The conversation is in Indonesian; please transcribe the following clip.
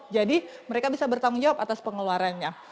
jadi mereka bisa bertanggung jawab atas pengeluarannya